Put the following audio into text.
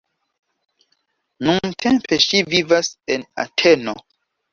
Nuntempe ŝi vivas en Ateno.